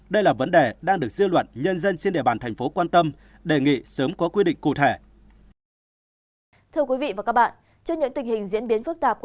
đây là vấn đề đang được dư luận nhân dân trên địa bàn thành phố quan tâm đề nghị sớm có quy định cụ thể